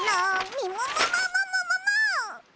みももももももも！？